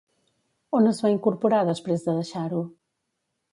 On es va incorporar, després de deixar-ho?